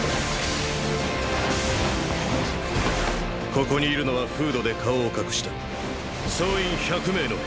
ここにいるのはフードで顔を隠した総員１００名の兵士。